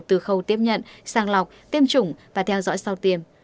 từ khâu tiếp nhận sang lọc tiêm chủng và theo dõi sau tiêm